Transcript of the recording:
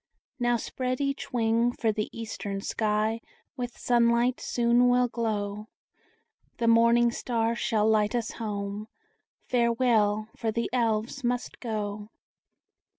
Now spread each wing, for the eastern sky With sunlight soon will glow. The morning star shall light us home: Farewell! for the Elves must go.